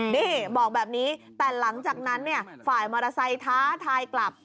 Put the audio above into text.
นี่บอกแบบนี้แต่หลังจากนั้นเนี่ยฝ่ายมอเตอร์ไซค์ท้าทายกลับ